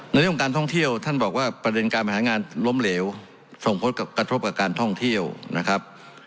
ในเรื่องของการท่องเที่ยวท่านบอกว่าประเด็นการบริหารงานล้มเหลวส่งผลกระทบกับการท่องเที่ยวนะครับ